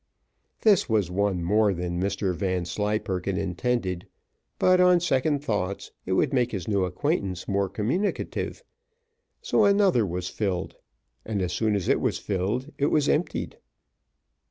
This was one more than Mr Vanslyperken intended; but on second thoughts, it would make his new acquaintance more communicative, so another was filled, and as soon as it was filled, it was emptied.